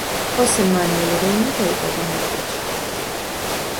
ხოსე მანუელ რეინა დაიბადა მადრიდში.